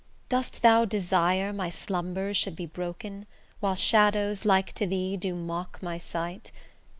Dost thou desire my slumbers should be broken, While shadows like to thee do mock my sight?